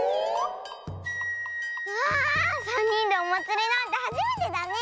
わあさんにんでおまつりなんてはじめてだね！